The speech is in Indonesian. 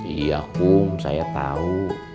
iya kum saya tahu